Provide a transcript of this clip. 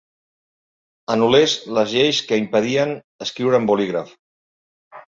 Anul·lés les lleis que impedien escriure amb bolígraf.